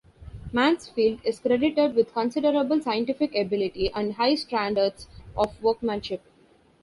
Mansfield is credited with considerable scientific ability and high standards of workmanship.